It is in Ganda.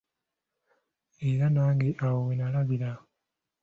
Era nange awo wennalabira.